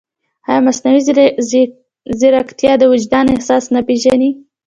ایا مصنوعي ځیرکتیا د وجدان احساس نه پېژني؟